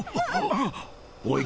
おい！